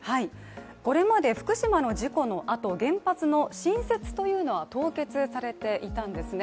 これまで福島の事故のあと原発の新設というのは凍結されていたんですね。